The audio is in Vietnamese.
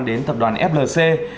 đến tập đoàn flc